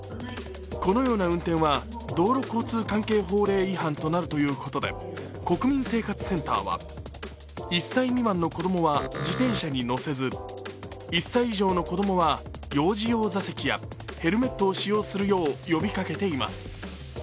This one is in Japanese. このような運転は道路交通関係法令違反となるということで国民生活センターは、１歳未満の子供は自転車に乗せず１歳以上の子供は幼児用座席やヘルメットを使用するよう呼びかけています。